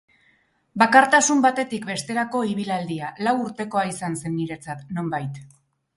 Bakartasun batetik besterako ibilaldia, lau urtekoa izan zen niretzat, nonbait.